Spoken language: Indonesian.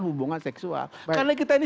hubungan seksual karena kita ini